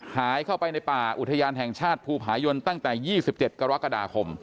หายเข้าไปในป่าอุทยานแห่งชาติภูผายนตั้งแต่๒๗กรกฎาคม